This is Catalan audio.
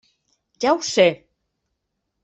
Ja ho sé!